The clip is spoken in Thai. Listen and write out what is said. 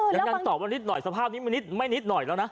งั้นตอบว่านิดหน่อยสภาพนี้ไม่นิดหน่อยแล้วนะ